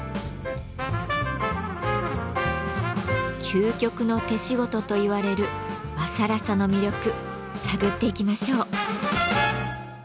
「究極の手仕事」といわれる和更紗の魅力探っていきましょう。